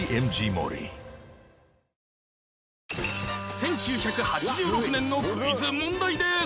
１９８６年のクイズ問題です